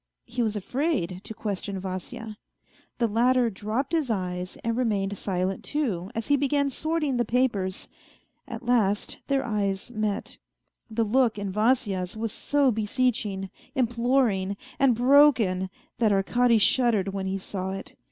He was afraid to question Vasya. The latter dropped his eyes and remained silent too, as he began sorting the papers. At last their eyes met. The look in Vasya's was so beseeching, imploring, and broken, that Arkady shuddered when he saw it.